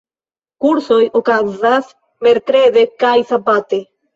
Kursoj okazas merkrede kaj sabate.